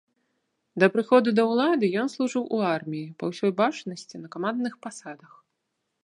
Да прыходу да ўлады ён служыў у арміі, па ўсёй бачнасці, на камандных пасадах.